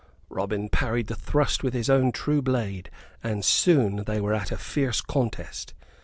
Robin parried the thrust with his own true blade, and soon they were at a fierce contest.